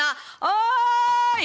「おい！